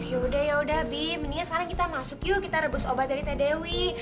yaudah yaudah bi mendingan sekarang kita masuk yuk kita rebus obat dari teh dewi